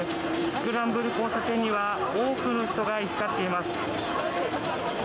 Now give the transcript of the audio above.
スクランブル交差点には多くの人が行き交っています。